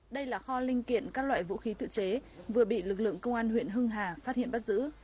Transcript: đây là kho linh kiện các loại vũ khí tự chế vừa bị lực lượng công an huyện hưng hà phát hiện bắt giữ